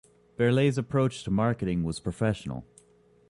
Berlei's approach to marketing was professional.